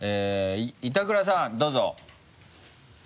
板倉さんどうぞ。